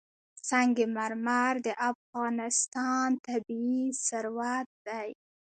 سنگ مرمر د افغانستان طبعي ثروت دی.